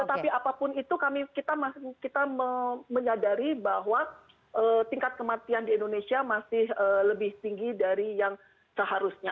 tetapi apapun itu kita menyadari bahwa tingkat kematian di indonesia masih lebih tinggi dari yang seharusnya